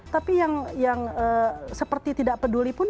tapi yang seperti tidak peduli pun